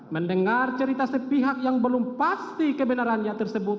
mendengar cerita sepihak yang belum pasti kebenarannya tersebut